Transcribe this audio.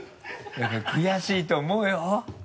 悔しいと思うよ。